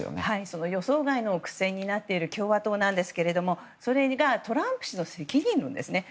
その予想外の苦戦になっている共和党ですがそれがトランプ氏の責任論ですね。